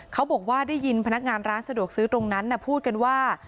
เขาบอกว่าได้ยินพนักงานร้านสะดวกซื้อตรงนั้นพูดกันว่า